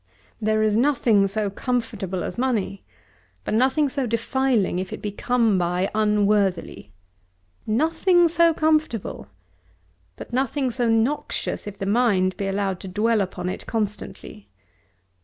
There is nothing so comfortable as money, but nothing so defiling if it be come by unworthily; nothing so comfortable, but nothing so noxious if the mind be allowed to dwell upon it constantly.